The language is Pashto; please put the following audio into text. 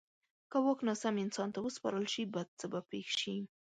که واک ناسم انسان ته وسپارل شي، بد څه به پېښ شي.